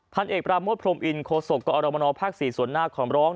พันเอกปราโมทพรมอินโคศกกรมนภ๔ส่วนหน้าขอบร้อง